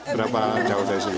berapa jauh dari sini